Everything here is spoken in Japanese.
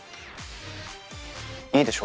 いいでしょ？